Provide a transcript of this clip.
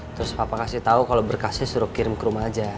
terus papa kasih tau kalau berkasnya suruh kirim ke rumah aja